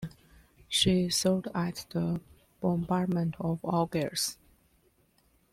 She served at the Bombardment of Algiers.